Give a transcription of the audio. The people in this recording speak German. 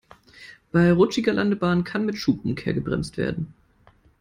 Bei rutschiger Landebahn kann mit Schubumkehr gebremst werden.